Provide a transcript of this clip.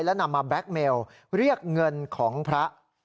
และนำมาแบล็คเมลเรียกเงินของพระ